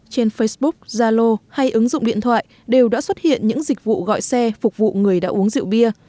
trên facebook zalo hay ứng dụng điện thoại đều đã xuất hiện những dịch vụ gọi xe phục vụ người đã uống rượu bia